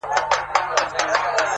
پلار چوپتيا کي مات ښکاري,